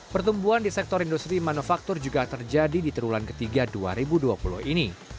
pertumbuhan di sektor industri manufaktur juga terjadi di triwulan ketiga dua ribu dua puluh ini